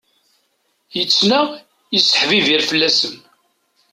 Yettnaɣ, yesseḥbibir fell-asen.